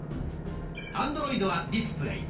アンドロイドは「ディスプレイ」。